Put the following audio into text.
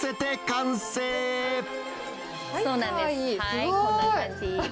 こんな感じ。